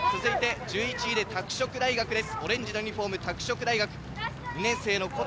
１１位で拓殖大学です。